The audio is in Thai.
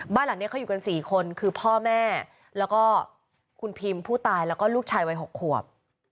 บ้านหลังนี้เขาอยู่กัน๔คนคือพ่อแม่แล้วก็คุณพิมผู้ตายแล้วก็ลูกชายวัย๖ขวบ